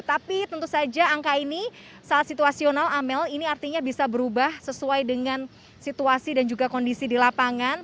tapi tentu saja angka ini sangat situasional amel ini artinya bisa berubah sesuai dengan situasi dan juga kondisi di lapangan